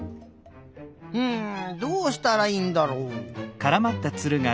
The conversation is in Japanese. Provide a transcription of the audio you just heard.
うんどうしたらいいんだろう。